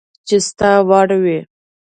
چي ستا وړ وي